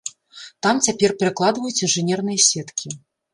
Там цяпер перакладваюць інжынерныя сеткі.